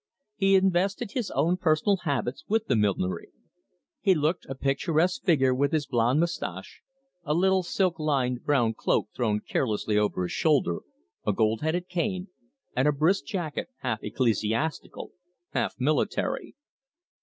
He invested his own personal habits with the millinery. He looked a picturesque figure with his blond moustache, a little silk lined brown cloak thrown carelessly over his shoulder, a gold headed cane, and a brisk jacket half ecclesiastical, half military.